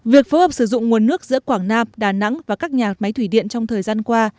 việc phối hợp sử dụng nguồn nước giữa quảng nam đà nẵng và các nhà máy thủy điện trong thời gian qua